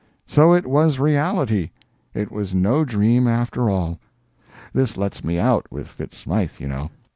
So it was reality. It was no dream after all! This lets me out with Fitz Smythe, you know.